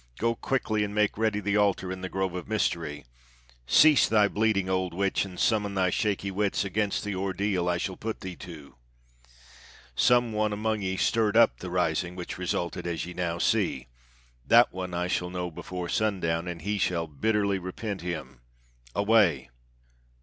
Go quickly, and make ready the altar in the Grove of Mystery. Cease thy bleating, old witch, and summon thy shaky wits against the ordeal I shall put thee to. Some one among ye stirred up the rising which resulted as ye now see. That one I shall know before sundown, and he shall bitterly repent him. Away!"